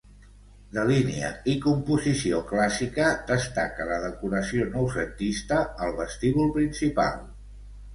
De línia i composició clàssica destaca la decoració noucentista al vestíbul principal.